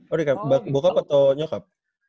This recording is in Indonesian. oh bokap atau nyokap